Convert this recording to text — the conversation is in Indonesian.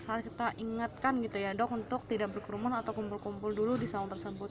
saya marah saat kita ingatkan gitu ya dok untuk tidak berkerumun atau kumpul kumpul dulu di salun tersebut